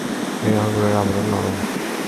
এই আঙ্গুরের আবরণ নরম।